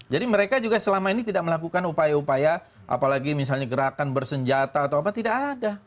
jadi mereka juga selama ini tidak melakukan upaya upaya apalagi misalnya gerakan bersenjata atau apa tidak ada